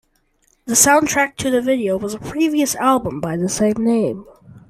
The soundtrack to the video was a previous album by the same name.